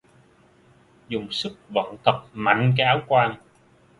Dùng sức vận thật mạnh cái áo quan